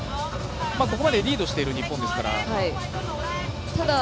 ここまで、リードしている日本ですから。